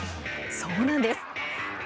そうなんです。